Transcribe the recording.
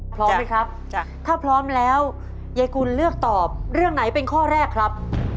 พร้อมไหมครับจ้ะถ้าพร้อมแล้วยายกุลเลือกตอบเรื่องไหนเป็นข้อแรกครับ